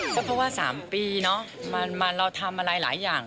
ก็เพราะว่า๓ปีเนอะเราทำอะไรหลายอย่าง